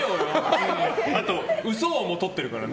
あと、嘘王もとってるからね。